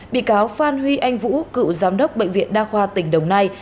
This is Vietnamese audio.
bị cáo phan huy anh vũ cựu giám đốc bệnh viện đa khoa tỉnh đồng nai